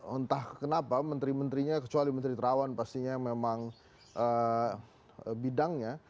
entah kenapa menteri menterinya kecuali menteri terawan pastinya memang bidangnya